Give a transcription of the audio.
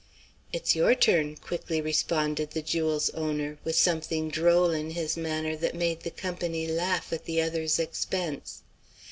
"It's your turn," quickly responded the jewel's owner, with something droll in his manner that made the company laugh at the other's expense.